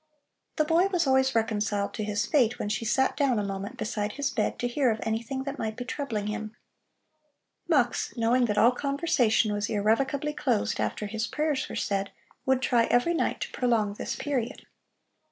The boy was always reconciled to his fate when she sat down a moment beside his bed to hear of anything that might be troubling him. Mux, knowing that all conversation was irrevocably closed after his prayers were said, would try every night to prolong this period.